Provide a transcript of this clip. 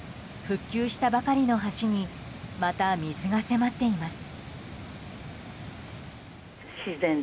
復旧したばかりの橋にまた水が迫っています。